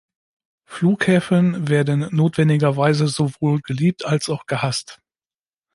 Flughäfen werden notwendigerweise sowohl geliebt als auch gehasst.